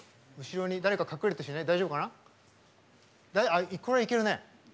あっこれはいけるね。